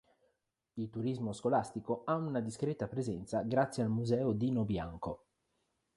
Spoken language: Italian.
Il turismo scolastico ha una discreta presenza grazie al Museo Dino Bianco.